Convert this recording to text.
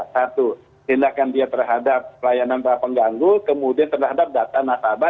satu tindakan dia terhadap pelayanan terhadap pengganggu kemudian terhadap data nasabah